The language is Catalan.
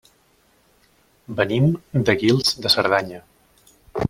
Venim de Guils de Cerdanya.